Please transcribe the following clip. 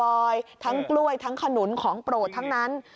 เกลียวบูบอยทั้งกล้วยทั้งขนุนของโปรดทั้งนั้น